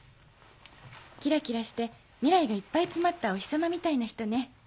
キラキラして未来がいっぱい詰まったお日さまみたいな人ね。